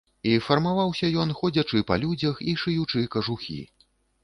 І фармаваўся ён, ходзячы па людзях і шыючы кажухі.